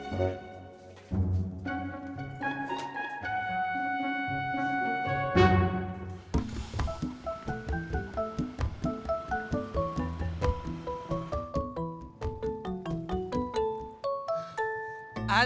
sampai jumpa bang